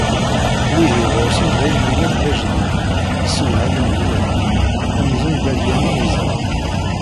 Iihi ɣur-sen d ayen yellan d ajdid, yessewhamen mliḥ, amzun d alyanen i ẓran.